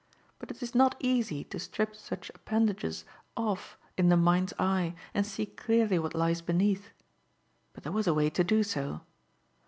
But it is not easy to strip such appendages off in the mind's eye and see clearly what lies beneath. But there was a way to do so.